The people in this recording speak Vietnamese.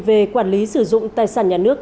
về quản lý sử dụng tài sản nhà nước